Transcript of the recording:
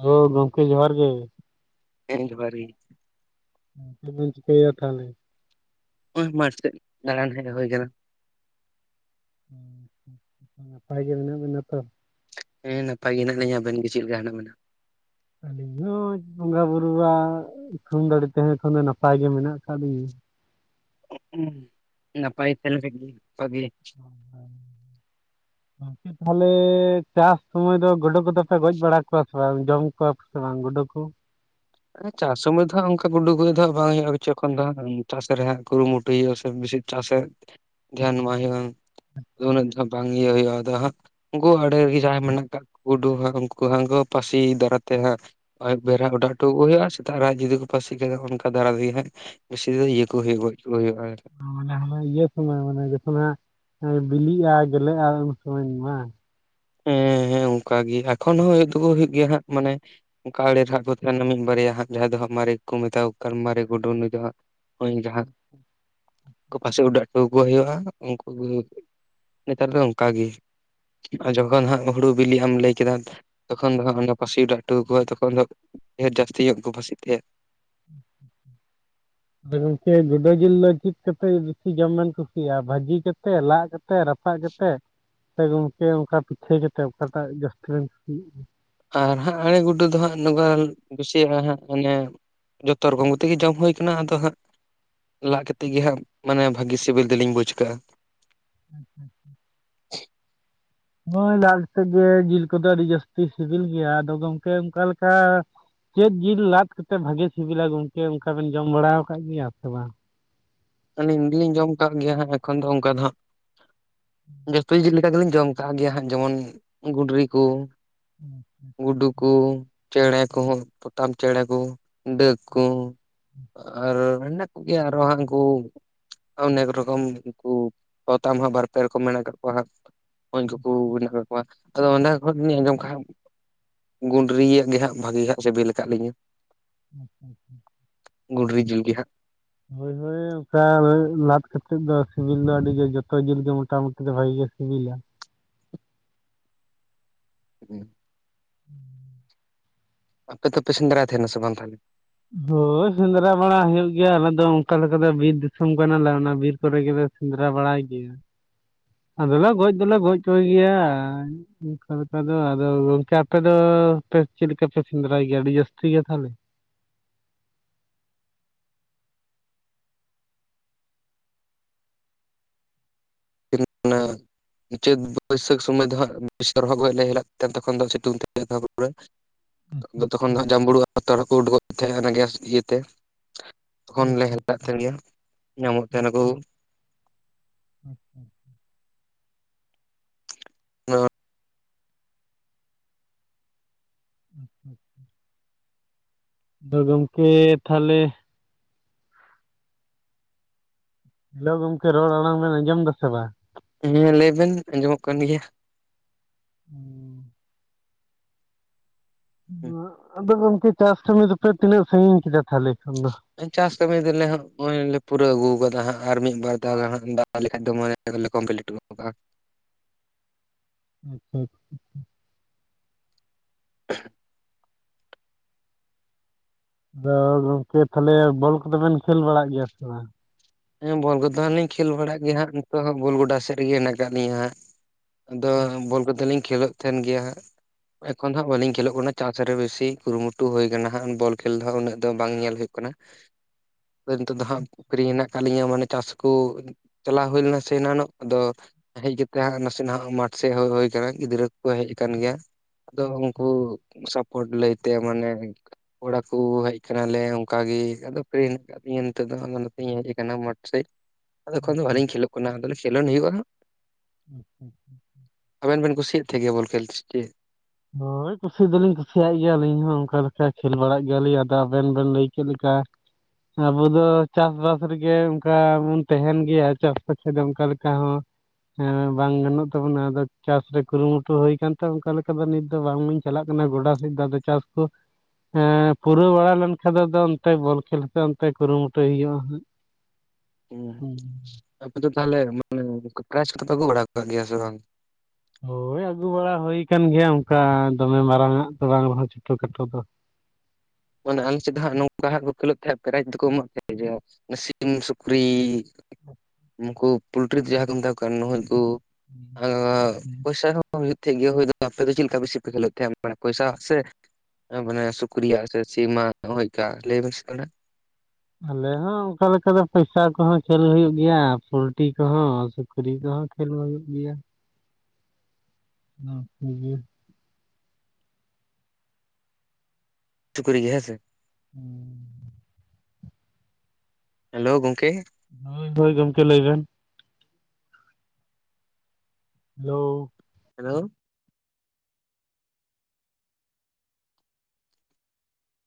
ᱟᱹᱣ ᱜᱚᱝᱠᱮ ᱡᱚᱦᱟᱨ ᱜᱮ! ᱦᱮᱸ ᱡᱚᱦᱟᱨ ᱜᱮ, ᱦᱮᱸ, ᱪᱮᱫ ᱵᱤᱱ ᱪᱤᱠᱟᱹᱭᱮᱜ ᱛᱟᱦᱮᱞᱮ? ᱱᱚᱜᱼᱚᱭ ᱢᱟᱴᱷ ᱥᱮᱫ ᱫᱟᱬᱟᱱ ᱦᱮᱡ ᱦᱩᱭ ᱠᱟᱱᱟ ᱾ [unintelligible] ᱱᱟᱯᱟᱭ ᱜᱮ ᱢᱮᱱᱟᱜ ᱵᱮᱱᱟ ᱛᱚ? ᱦᱮᱸ ᱱᱟᱯᱟᱭ ᱜᱮ ᱦᱮᱸᱱᱟᱜ ᱞᱤᱧᱟ, ᱟᱹᱵᱮᱱ ᱜᱮ ᱪᱮᱫ ᱞᱮᱠᱟ ᱦᱮᱱᱟᱜ ᱵᱤᱱᱟ? ᱟᱹᱞᱤᱧ ᱦᱚᱸᱻᱡ ᱵᱚᱸᱜᱟ ᱵᱩᱨᱩᱣᱟᱜ ᱛᱷᱩᱢ ᱫᱟᱲᱮ ᱛᱮᱦᱮᱸ ᱠᱷᱚᱱ ᱫᱚ ᱱᱟᱯᱟᱭ ᱜᱮ ᱢᱮᱱᱟᱜ ᱟᱠᱟᱫ ᱞᱤᱧᱟᱹ ᱾ ᱩᱸ ᱱᱟᱯᱟᱭ ᱛᱟᱦᱮᱸ ᱞᱮᱱᱠᱷᱟᱡ ᱜᱮ ᱵᱷᱟᱹᱜᱤ᱾ ᱦᱚᱸ᱾ ᱮ ᱛᱟᱦᱮᱞᱮ ᱪᱟᱥ ᱥᱚᱢᱚᱭ ᱫᱚ ᱜᱳᱰᱳ ᱠᱚᱫᱚ ᱯᱮ ᱜᱚᱡ ᱵᱟᱲᱟ ᱠᱚᱣᱟ ᱥᱮ ᱵᱟᱝ, ᱡᱚᱢ ᱠᱚᱣᱟ ᱥᱮ ᱵᱟᱝ ᱜᱩᱰᱩ ᱠᱚ? ᱮᱸ ᱪᱟᱥ ᱥᱚᱢᱚᱭ ᱫᱚ ᱦᱟᱸᱜ ᱚᱸᱠᱟ ᱜᱩᱰᱩ ᱜᱚᱡ ᱫᱚ ᱦᱟᱸᱜ ᱵᱟᱝ ᱦᱩᱭᱩᱜᱼᱟ, ᱤᱪᱟᱹ ᱠᱷᱚᱱ ᱫᱚ ᱦᱟᱸᱜ ᱩᱸ ᱪᱟᱥ ᱨᱮ ᱦᱟᱸᱜ ᱠᱩᱨᱩ ᱢᱩᱴᱩ ᱦᱩᱭᱩᱜᱼᱟ ᱥᱮ ᱵᱮᱥᱤ ᱪᱟᱥ ᱥᱮᱫ᱾ ᱫᱷᱮᱭᱟᱱ ᱮᱢᱟ ᱦᱩᱭᱩᱜᱼᱟᱸ, ᱟᱫᱚ ᱩᱱᱟᱹᱜ ᱫᱚ ᱵᱟᱝ ᱤᱭᱟᱹ ᱦᱩᱭᱩᱜᱼᱟ, ᱟᱫᱚ ᱦᱟᱸᱜ ᱩᱸᱠᱩ ᱟᱲᱮ ᱨᱮ ᱜᱮ ᱡᱟᱦᱟᱸᱭ ᱢᱮᱱᱟᱜ ᱠᱟᱜ ᱠᱚ ᱜᱩᱰᱩ ᱦᱟᱸᱜ ᱩᱸᱠᱩ ᱦᱟᱸᱜ ᱩᱸᱠᱩ ᱫᱚ ᱯᱟᱹᱥᱤ ᱫᱟᱨᱮ ᱛᱮ ᱦᱟᱸᱜ ᱦᱚᱭ ᱵᱮᱨᱦᱟ ᱚᱰᱟᱴ ᱴᱩᱜ ᱦᱩᱭᱩᱜᱼᱟ, ᱥᱮᱛᱟᱜ ᱨᱮ ᱦᱟᱸᱜ ᱡᱩᱫᱤ ᱯᱟᱹᱥᱤ ᱠᱟᱫᱮ ᱚᱱᱠᱟ ᱫᱷᱟᱨᱟ ᱛᱮᱜᱮ ᱦᱟᱸᱜ ᱵᱮᱥᱤ ᱫᱚ ᱤᱭᱟᱹ ᱠᱚ ᱜᱚᱡ ᱠᱚ ᱦᱩᱭᱩᱜᱼᱟ, ᱟ ᱢᱟᱱᱮ ᱦᱟᱱᱮ ᱤᱭᱟᱹ ᱥᱚᱢᱚᱭ ᱢᱟᱱᱮ ᱡᱚᱠᱦᱚᱱ ᱦᱟᱸᱜ ᱟᱸ ᱵᱤᱞᱤᱜᱼᱟ ᱜᱮᱞᱮᱜᱼᱟ ᱩᱱ ᱥᱚᱢᱚᱧ ᱢᱟ᱾ ᱦᱮᱸ ᱦᱮᱸ ᱚᱸᱠᱟ ᱜᱮ ᱮᱠᱷᱚᱱ ᱦᱚᱸ ᱦᱮᱡ ᱫᱚᱠᱚ ᱦᱩᱭᱩᱜ ᱜᱮᱭᱟ ᱦᱟᱸᱜ, ᱢᱟᱱᱮ ᱚᱸᱠᱟ ᱟᱲᱮ ᱨᱮ ᱦᱟᱸᱜ ᱠᱚ ᱛᱟᱦᱮᱸᱱᱟ ᱢᱤᱫ ᱵᱟᱨᱭᱟ ᱦᱟᱸᱜ ᱡᱟᱦᱟᱸᱭ ᱫᱚ ᱦᱟᱸᱜ ᱢᱟᱨᱮ ᱠᱚᱠᱚ ᱢᱮᱛᱟ ᱠᱚ ᱠᱟᱱ ᱢᱟᱨᱮ ᱜᱩᱰᱩ ᱱᱩᱭ ᱫᱚ ᱦᱟᱸᱜ ᱦᱳᱧ ᱡᱟᱦᱟᱸ ᱠᱩ ᱯᱟᱥᱮ ᱳᱰᱟᱹᱜ ᱦᱚᱴᱚ ᱟᱠᱚ ᱦᱩᱭᱩᱜᱼᱟ, ᱩᱸᱠᱩ ᱜᱚ ᱦᱩᱠ ᱱᱮᱛᱟᱨ ᱫᱚ ᱚᱸᱠᱟ ᱜᱮ᱾ ᱟᱨ ᱡᱚᱠᱷᱚᱱ ᱦᱟᱸᱜ ᱦᱩᱲᱩ ᱵᱤᱞᱤᱜ ᱮᱢ ᱞᱟᱹᱭ ᱠᱮᱫᱟ, ᱛᱚᱠᱷᱚᱱ ᱫᱚ ᱦᱟᱸᱜ ᱚᱱᱟ ᱯᱟᱹᱥᱤ ᱚᱰᱟᱣ ᱚᱴᱚ ᱟᱠᱚᱣᱟᱭ ᱛᱚᱠᱷᱚᱱ ᱫᱚ ᱰᱷ ᱡᱟᱹᱥᱛᱤ ᱧᱚᱜ ᱜᱮ ᱠᱚ ᱵᱟᱹᱥᱤᱜ [unintelligible] ᱟᱫᱚ ᱜᱚᱝᱠᱮ ᱜᱚᱰᱳ ᱡᱤᱞ ᱫᱚ ᱪᱤᱜ ᱠᱟᱛᱮ ᱵᱤᱥᱤ ᱡᱚᱢ ᱵᱮᱱ ᱠᱩᱥᱤᱭᱟ ᱵᱷᱟᱹᱡᱤ ᱠᱟᱛᱮᱜ ᱞᱟᱜ ᱠᱟᱛ ᱠᱟᱛᱮ ᱨᱟᱯᱟᱜ ᱠᱟᱛᱮᱜ ᱥᱮ ᱜᱚᱝᱠᱮ ᱚᱱᱠᱟ ᱯᱤᱴᱷᱟᱹ ᱠᱟᱛᱮᱜ ᱚᱠᱟᱴᱟᱜ ᱡᱟᱹᱥᱛᱤ ᱵᱤᱱ ᱟᱨ ᱦᱟᱸᱜ ᱟᱲᱮ ᱜᱩᱰᱩ ᱫᱚ ᱦᱟᱸᱜ ᱱᱚᱝᱠᱟ ᱠᱩᱥᱤᱭᱟᱜᱼᱟ ᱦᱟᱸᱜ ᱚᱱᱮ ᱡᱚᱛᱚ ᱨᱚᱠᱚᱢ ᱠᱟᱛᱮᱜ ᱜᱤ ᱡᱚᱢ ᱦᱩᱭ ᱠᱟᱱᱟ ᱟᱫᱚ ᱦᱟᱸᱜ ᱞᱟᱫ ᱠᱟᱛᱮᱜ ᱜᱮ ᱦᱟᱸᱜ ᱢᱟᱱᱮ ᱵᱷᱟᱜᱤ ᱥᱤᱵᱤᱞ ᱫᱚᱞᱤᱧ ᱵᱩᱡᱽ ᱟᱠᱟᱜᱟ᱾ [inaudible] ᱦᱳᱭ ᱞᱟᱫ ᱠᱟᱛᱮᱜ ᱜᱮ ᱡᱤᱞ ᱠᱚᱫᱚ ᱟᱹᱰᱤ ᱡᱟᱹᱥᱛᱤ ᱥᱤᱵᱤᱞ ᱜᱮᱭᱟ ᱟᱫᱚ ᱜᱚᱢᱠᱮ ᱚᱠᱟ ᱞᱮᱠᱟ᱾ ᱪᱮᱫ ᱡᱤᱞ ᱞᱟᱫ ᱠᱟᱛᱮᱜ ᱵᱷᱟᱜᱮ ᱵᱩᱡᱷᱟᱜ-ᱟ ᱜᱚᱜᱠᱮ ᱚᱱᱠᱟ ᱵᱮᱱ ᱡᱚᱢ ᱵᱟᱲᱟᱣ ᱟᱠᱟᱫ ᱜᱮᱭᱟ ᱥᱮ ᱵᱟᱝ? ᱟᱹᱞᱤ ᱫᱚᱞᱤᱧ ᱡᱚᱢ ᱠᱟᱜ ᱜᱮᱭᱟ ᱦᱟᱜ ᱮᱠᱷᱚᱱ ᱫᱚ ᱚᱱᱠᱟ ᱫᱚ ᱦᱟᱸᱜ ᱡᱚᱛᱚ ᱡᱤᱞ ᱜᱮᱞᱤᱧ ᱡᱚᱢ ᱠᱟᱜ ᱜᱮᱭᱟ ᱦᱟᱜ ᱡᱮᱢᱚᱱ ᱜᱩᱰᱨᱤ ᱠᱚ, ᱜᱩᱰᱩ ᱠᱚ ᱪᱮᱬᱮ ᱠᱚᱦᱚᱸ, ᱰᱟᱵ ᱪᱮᱬᱮ ᱠᱚ, ᱰᱟᱹᱠ ᱠᱚ, ᱟᱨ ᱦᱮᱱᱟᱜ ᱜᱮᱭᱟ ᱟᱨ ᱦᱟᱝ ᱠᱩ ᱚᱱᱮᱠ ᱨᱚᱠᱚᱢ ᱠᱩ ᱯᱚᱛᱟᱢ ᱦᱚᱸ ᱵᱟᱨᱯᱮ ᱨᱚᱠᱚᱢ ᱢᱮᱱᱟᱜ ᱠᱟᱜ ᱠᱚᱣᱟ ᱦᱟᱸᱜ᱾ ᱵᱷᱚᱧᱡ ᱠᱩ ᱠᱚᱜ ᱠᱚᱣᱟ ᱛᱚ ᱚᱱᱟ ᱠᱚ ᱨᱤᱱᱤᱡ ᱱᱚᱝᱠᱟ ᱜᱩᱱᱰᱨᱤ ᱭᱟᱜ ᱛᱮ ᱦᱟᱸᱜ ᱵᱷᱟᱹᱜᱮ ᱦᱟᱸᱜ ᱥᱤᱵᱤᱞ ᱟᱠᱟᱜ ᱞᱤᱧᱟᱹ᱾ [inaudible] ᱜᱩᱰᱨᱤ ᱡᱤᱞ ᱜᱮ ᱦᱟᱸᱜ᱾ ᱦᱳᱭ ᱦᱳᱭ ᱚᱱᱠᱟ ᱞᱟᱭ ᱞᱟᱫ ᱠᱟᱛᱮᱫ ᱫᱚ ᱟᱨ ᱥᱤᱵᱤᱞ ᱫᱚ ᱟᱹᱰᱤ ᱜᱮ ᱡᱚᱛᱚ ᱡᱤᱞ ᱜᱮ ᱢᱚᱴᱟᱢᱩᱴᱤ ᱫᱚ ᱵᱷᱟᱜᱤ ᱜᱮ ᱥᱤᱵᱤᱞᱟ᱾ [inaudible] [inaudible] ᱟᱯᱮ ᱫᱚᱯᱮ ᱥᱮᱱᱫᱽᱨᱟᱭ ᱛᱮᱦᱮᱱᱟ ᱥᱮ ᱵᱟᱝᱟ? ᱦᱳᱭ ᱥᱮᱸᱫᱽᱨᱟ ᱵᱟᱲᱟ ᱦᱩᱭᱩᱜ ᱜᱮᱭᱟ ᱟᱞᱮ ᱫᱚ ᱚᱱᱠᱟ ᱞᱮᱠᱟ ᱫᱚ ᱵᱤᱨ ᱫᱤᱥᱚᱢ ᱠᱟᱱᱟᱞᱮ ᱚᱱᱟ ᱵᱤᱨ ᱠᱚᱨᱮ ᱜᱮᱞᱮ ᱥᱮᱫᱨᱟ ᱵᱟᱲᱟᱭ ᱜᱮᱭᱟ᱾ ᱟᱫᱚᱞᱮ ᱜᱚᱡ ᱫᱚᱞᱮ ᱜᱚᱡ ᱠᱚᱜᱮᱭᱟ ᱜᱮᱭᱟ᱾ ᱟᱫᱚ ᱟᱫᱚ ᱜᱚᱝᱠᱮ ᱟᱯᱮ ᱫᱚ ᱯᱮ ᱪᱮᱜ ᱞᱮᱠᱟ ᱯᱮ ᱥᱮᱸᱫᱽᱨᱟᱭ ᱜᱮᱭᱟ ᱟᱹᱰᱤ ᱡᱟᱹᱥᱛᱤ ᱜᱮᱛᱚ ᱚᱱᱟ ᱪᱟᱹᱫ ᱵᱟᱹᱭᱥᱟᱹᱠᱷ ᱥᱚᱢᱚᱭ ᱫᱚ ᱦᱟᱸᱜ ᱥᱚᱨᱦᱚ ᱜᱚᱡ ᱞᱮ ᱦᱮᱞᱟᱜ ᱛᱮ ᱛᱚᱠᱷᱚᱱ ᱫᱚ ᱥᱤᱛᱩᱝ ᱛᱤ ᱛᱟᱨᱯᱮ ᱛᱚᱛᱚ ᱠᱷᱚᱱ ᱟᱪᱪᱷᱟ ᱫᱚ ᱦᱟᱸᱜ ᱡᱟᱸᱵᱲᱩ ᱟᱨ ᱨᱚᱲ ᱠᱚ ᱩᱰᱩᱠᱚᱜ ᱛᱟᱦᱮᱸ ᱦᱟᱱᱟ ᱜᱮᱥ ᱤᱭᱟᱹᱛᱮ᱾ ᱛᱚᱠᱷᱚᱱ ᱞᱮ ᱟᱪᱪᱷᱟ ᱦᱮᱞᱮᱜ ᱛᱟᱦᱮᱱ ᱜᱮᱭᱟ ᱧᱟᱢᱚᱜ ᱛᱮᱦᱮᱱᱟᱠᱩ᱾ ᱟᱪᱪᱷᱟ [inaudible] [inaudible] [inaudible] ᱟᱫᱚ ᱜᱚᱝᱠᱮ ᱛᱟᱦᱚᱞᱮ ᱦᱤᱞᱳᱜ ᱜᱚᱝᱠᱮ ᱨᱚᱲ ᱟᱲᱟᱝ ᱵᱮᱱ ᱟᱸᱡᱚᱢ ᱮᱫᱟ ᱥᱮ ᱵᱟᱝ? ᱦᱮᱸ ᱦᱮᱸ ᱞᱟᱹᱭ ᱵᱮᱱ ᱟᱸᱡᱚᱢᱚᱜ ᱠᱟᱱ ᱜᱮᱭᱟ᱾ [inaudible] ᱟᱫᱚ ᱜᱚᱝᱠᱮ ᱪᱟᱥ ᱠᱟᱹᱢᱤ ᱫᱚᱯᱮ ᱛᱤᱱᱟᱹᱜ ᱥᱟᱺᱜᱤᱧ ᱠᱮᱫᱟ ᱛᱟᱦᱞᱮ ᱠᱷᱟᱱ ᱫᱚ? ᱪᱟᱥ ᱠᱟᱹᱢᱤ ᱫᱚᱞᱮ ᱦᱚᱜᱚᱭ ᱞᱮ ᱯᱩᱨᱟᱹᱣ ᱟᱹᱜᱩᱣ ᱠᱟᱫᱟ ᱦᱟᱸᱜ ᱟᱨ ᱢᱤᱫ ᱵᱟᱨ ᱫᱷᱟᱣ ᱜᱟᱱ ᱦᱟᱸᱜ ᱫᱟᱜ ᱛᱟᱞᱟ ᱞᱮᱠᱟᱛᱮ ᱢᱟᱨᱮ [unintelligible] ᱞᱮᱴᱳᱜ-ᱟ [inaudible] ᱟᱫᱚ ᱜᱚᱝᱠᱮ ᱛᱟᱦᱚᱞᱮ ᱵᱚᱞ ᱠᱚᱫᱚ ᱵᱮᱱ ᱠᱷᱮᱞ ᱵᱟᱲᱟᱜ ᱜᱮᱭᱟ ᱥᱮ ᱵᱟᱝ? ᱦᱮᱸ ᱵᱚᱞ ᱜᱚᱫᱚ ᱦᱟᱸᱜ ᱞᱤᱧ ᱠᱷᱮᱞ ᱵᱟᱲᱟᱜ ᱜᱮᱭᱟ ᱦᱟᱸᱜ ᱱᱤᱛᱚᱜ ᱦᱚᱸ ᱵᱚᱞ ᱜᱚᱰᱟ ᱥᱮᱜ ᱨᱮᱜᱮ ᱦᱮᱱᱟᱜ ᱠᱟᱜ ᱞᱤᱧᱟ ᱦᱟᱸᱜ᱾ ᱟᱫᱚ ᱵᱚᱞ ᱠᱚᱫᱚ ᱞᱤᱧ ᱠᱷᱮᱞᱳᱜ ᱛᱟᱦᱮᱱ ᱜᱮᱭᱟ ᱦᱟᱸᱜ᱾ ᱮᱠᱷᱚᱱ ᱫᱚ ᱦᱟᱸᱜ ᱵᱟᱞᱤᱧ ᱠᱷᱮᱞᱳᱜ ᱠᱟᱱᱟ ᱪᱟᱥ ᱨᱮ ᱵᱮᱥᱤ ᱠᱩᱨᱩᱢᱩᱴᱩ ᱦᱩᱭ ᱠᱟᱱᱟ ᱦᱟᱸᱜ ᱵᱚᱞ ᱠᱷᱮᱞ ᱫᱚ ᱦᱟᱸᱜ ᱩᱱᱟᱹᱜ ᱫᱚ ᱵᱟᱝ ᱧᱮᱞ ᱦᱳᱭᱳᱜ ᱠᱟᱱᱟ᱾ ᱟᱫᱚ ᱱᱤᱛᱳᱜ ᱫᱚ ᱦᱟᱸᱜ ᱯᱷᱤᱨᱤ ᱦᱮᱱᱟᱜ ᱛᱟᱞᱤᱧᱟ ᱢᱟᱱᱮ ᱪᱟᱥ ᱠᱚ ᱪᱟᱞᱟᱣ ᱦᱩᱭ ᱞᱮᱱᱟ ᱥᱮ ᱮᱱᱟᱱᱚᱜ, ᱟᱫᱚ ᱦᱮᱡ ᱠᱟᱛᱮᱜ ᱦᱟᱸᱜ ᱱᱟᱥᱮᱱᱟᱜ ᱢᱟᱴᱷ ᱥᱮᱫ ᱦᱮᱡ ᱦᱳᱭ ᱟᱠᱟᱱᱟ ᱜᱤᱫᱽᱨᱟᱹ ᱠᱚᱠᱚ ᱦᱮᱡ ᱟᱠᱟᱱ ᱜᱮᱭᱟ ᱾ ᱟᱫᱚ ᱟᱪᱪᱷᱟ ᱟᱪᱪᱷᱟ ᱩᱱᱠᱩ ᱥᱟᱯᱳᱴ ᱞᱟᱹᱭ ᱛᱮ ᱢᱟᱱᱮ ᱠᱚᱲᱟ ᱠᱚ ᱦᱮᱡ ᱟᱠᱟᱱᱟ ᱞᱮ ᱚᱱᱠᱟ ᱜᱮ ᱟᱫᱚ ᱯᱷᱤᱨᱤ ᱦᱮᱱᱟᱜ ᱟᱠᱟᱫ ᱞᱤᱧᱟᱹ ᱱᱤᱛᱚᱜ ᱫᱚ ᱟᱫᱚ ᱱᱚᱛᱮᱧ ᱦᱮᱡ ᱠᱟᱱᱟ ᱢᱟᱴ ᱥᱮᱫ ᱟᱫᱚ ᱮᱠᱷᱚᱱ ᱫᱚ ᱟᱪᱪᱷᱟ ᱵᱟᱹᱞᱤᱧ ᱠᱷᱮᱞᱳᱜ ᱠᱟᱱᱟ ᱟᱫᱚ ᱞᱤᱧ ᱠᱷᱮᱞᱳᱱ ᱦᱩᱭᱩᱜᱼᱟ ᱦᱟᱸᱜ ᱾ [unintelligible] ᱟᱵᱮᱱ ᱵᱮᱱ ᱠᱩᱥᱤᱭᱟᱜ ᱛᱟᱦᱮᱸᱜ ᱜᱮᱭᱟ ᱵᱚᱞ ᱠᱷᱮᱞ ᱥᱮ ᱪᱮᱫ? ᱦᱳᱭ ᱠᱩᱥᱤ ᱫᱚᱞᱤᱧ ᱠᱩᱥᱤᱭᱟᱜ ᱜᱮᱭᱟᱞᱤᱧ ᱤᱧ ᱦᱚᱸ ᱚᱱᱠᱟ ᱞᱮᱠᱟ ᱠᱷᱮᱞ ᱵᱟᱲᱟᱜ ᱜᱮᱭᱟᱞᱤᱧ ᱟᱫᱚ ᱟᱵᱮᱱ ᱵᱮᱱ ᱞᱟᱹᱭ ᱠᱮᱫ ᱞᱮᱠᱟ ᱟᱵᱚ ᱫᱚ ᱪᱟᱥᱵᱟᱥ ᱨᱮᱜᱮ ᱚᱱᱠᱟ ᱵᱚᱱ ᱛᱟᱦᱮᱱ ᱜᱮᱭᱟ ᱪᱟᱥ ᱵᱟᱠᱷᱟᱡ ᱫᱚ ᱚᱱᱠᱟ ᱞᱮᱠᱟ ᱦᱚᱸ ᱦᱮᱸ ᱵᱟᱝ ᱜᱟᱱᱚᱜ ᱛᱟᱵᱚᱱᱟ ᱟᱫᱚ ᱪᱟᱥ ᱨᱮ ᱠᱩᱨᱩᱢᱩᱴᱩ ᱦᱩᱭ ᱠᱟᱱ ᱛᱮ ᱚᱱᱠᱟ ᱞᱮᱠᱟ ᱟᱫᱚ ᱱᱤᱛ ᱫᱚ ᱵᱟᱝ ᱵᱤᱱ ᱪᱟᱞᱟᱜ ᱠᱟᱱᱟ ᱜᱚᱰᱟ ᱥᱮᱫ ᱫᱚ ᱟᱫᱚ ᱪᱟᱥ ᱠᱚ ᱦᱮᱸ ᱯᱩᱨᱟᱹᱣ ᱵᱟᱲᱟ ᱞᱮᱱᱠᱷᱟᱡ ᱫᱚ ᱚᱱᱛᱮ ᱵᱚᱞ ᱠᱷᱮᱞ ᱠᱚ ᱚᱱᱛᱮ ᱠᱩᱨᱩᱢᱩᱴᱩᱭ ᱦᱩᱭᱩᱜᱼᱟ ᱦᱟᱸᱜ ᱾ ᱦᱩᱸ ᱾ ᱟᱯᱮ ᱫᱚ ᱛᱟᱦᱚᱞᱮ ᱢᱟᱱᱮ ᱯᱨᱟᱭᱤᱡ ᱠᱚᱫᱚ ᱯᱮ ᱟᱹᱜᱩ ᱵᱟᱲᱟᱣ ᱠᱟᱜ ᱜᱮᱭᱟ ᱥᱮ ᱵᱟᱝ? ᱦᱳᱭ ᱟᱹᱜᱩ ᱵᱟᱲᱟ ᱦᱩᱭ ᱠᱟᱱ ᱜᱮᱭᱟ, ᱚᱱᱠᱟ ᱫᱚᱢᱮ ᱢᱟᱨᱟᱝ ᱟᱜ ᱫᱚ ᱵᱟᱝ ᱨᱮᱦᱚᱸ ᱪᱷᱳᱴᱳ ᱠᱷᱟᱴᱳ ᱫᱚ ᱾ ᱢᱟᱱᱮ ᱟᱞᱮ ᱥᱮᱫ ᱫᱚ ᱦᱟᱸᱜ ᱱᱚᱝᱠᱟ ᱦᱟᱸᱜ ᱠᱚ ᱠᱷᱮᱞᱳᱜ ᱛᱟᱦᱮᱸᱜ ᱯᱨᱟᱭᱤᱡᱽ ᱫᱚᱠᱚ ᱮᱢᱚᱜ ᱛᱟᱦᱮᱸᱜ ᱡᱮ ᱥᱤᱢ, ᱥᱩᱠᱨᱤ ᱱᱩᱠᱩ ᱯᱳᱞᱴᱨᱤ ᱫᱚ ᱡᱟᱦᱟᱸ ᱠᱚ ᱢᱮᱛᱟ ᱠᱚ ᱠᱟᱱ ᱱᱩᱦᱩᱭ ᱠᱩ ᱟᱸᱻ ᱯᱚᱭᱥᱟ ᱦᱚᱸ ᱦᱩᱭᱩᱜ ᱛᱟᱦᱮᱸᱜ ᱜᱮ ᱦᱩᱭ ᱫᱚ ᱟᱯᱮ ᱫᱚ ᱪᱮᱫ ᱞᱮᱠᱟ ᱵᱮᱥᱤ ᱯᱮ ᱠᱷᱮᱞᱳᱜ ᱛᱟᱦᱮᱸᱜ ᱢᱟᱱᱮ ᱯᱚᱭᱥᱟ ᱥᱮ, ᱢᱟᱱᱮ ᱥᱩᱠᱨᱤᱭᱟᱜ? ᱥᱮ ᱥᱤᱢᱟᱜ ᱦᱳᱭ ᱚᱠᱟ ᱞᱟᱹᱭ ᱢᱮᱥᱮ ᱛᱷᱚᱲᱟ? ᱟᱞᱮ ᱦᱚᱸ ᱚᱱᱠᱟ ᱞᱮᱠᱟ ᱫᱚ ᱯᱚᱭᱥᱟ ᱠᱚᱦᱚᱸ ᱠᱷᱮᱞ ᱦᱩᱭᱩᱜ ᱜᱮᱭᱟ, ᱯᱚᱞᱴᱤ ᱠᱚᱦᱚᱸ, ᱥᱩᱠᱨᱤ ᱠᱚᱦᱚ ᱠᱷᱮᱞ ᱢᱟ ᱦᱩᱭᱩᱜ ᱜᱮᱭᱟ ᱾ ᱦᱚᱸ ᱴᱷᱤᱠ ᱜᱮᱭᱟ ᱾ ᱥᱩᱠᱨᱤ ᱜᱮ ᱦᱮᱸ ᱥᱮ? ᱦᱩᱸ ᱾ ᱦᱮᱞᱳ ᱜᱚᱝᱠᱮ ᱾ ᱦᱳᱭ ᱦᱳᱭ ᱜᱚᱝᱠᱮ ᱞᱟᱹᱭ ᱵᱮᱱ ᱾ ᱦᱮᱞᱳ ᱾ ᱦᱮᱞᱳ ᱾